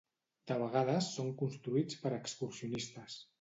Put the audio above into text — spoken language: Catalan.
De vegades són construïts per excursionistes.